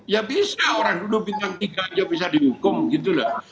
ya bisa orang dulu bintang tiga aja bisa dihukum gitu lah